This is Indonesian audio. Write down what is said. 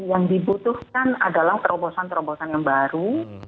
yang dibutuhkan adalah terobosan terobosan yang baru